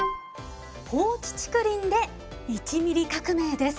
「放置竹林で１ミリ革命」です。